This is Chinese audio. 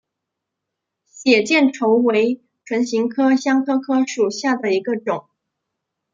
血见愁为唇形科香科科属下的一个种。